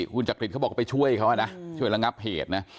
คุณจักริตเขาบอกว่าไปช่วยเขานะช่วยระงับเหตุนะ